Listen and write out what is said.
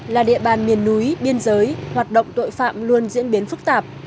là địa bàn miền núi biên giới hoạt động tội phạm luôn diễn biến phức tạp